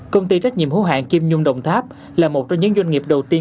công ty trách nhiệm hữu hạng kim nhung đồng tháp là một trong những doanh nghiệp đầu tiên